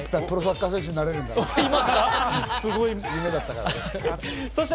プロサッカー選手になれるんだな。